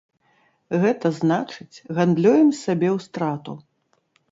Гэта значыць, гандлюем сабе ў страту.